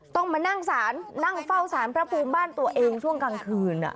ต้องมานั่งสารนั่งเฝ้าสารพระภูมิบ้านตัวเองช่วงกลางคืน